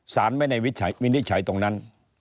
สารไม่ได้วินิจฉัยตรงนั้น